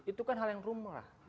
itu kan hal yang rumah